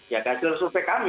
ya gajal survei kami